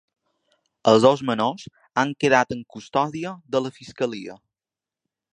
Els dos menors han quedat en custòdia de la fiscalia.